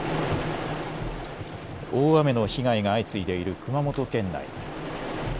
大雨の被害が相次いでいる熊本県内。